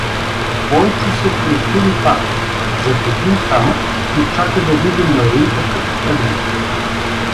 Бойчо се притули пак: зад един камък и чака да види Марийка, като тръгне.